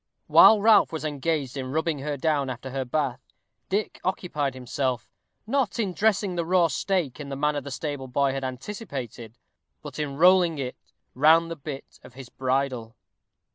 While Ralph was engaged in rubbing her down after her bath, Dick occupied himself, not in dressing the raw steak in the manner the stable boy had anticipated, but in rolling it round the bit of his bridle.